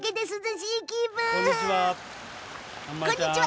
こんにちは。